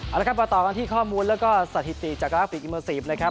เอาละครับมาต่อกันที่ข้อมูลแล้วก็สถิติจากกราฟิกอิเมอร์ซีฟนะครับ